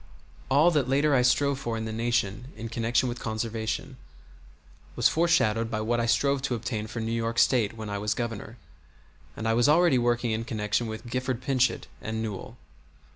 All that later I strove for in the Nation in connection with Conservation was foreshadowed by what I strove to obtain for New York State when I was Governor; and I was already working in connection with Gifford Pinchot and Newell.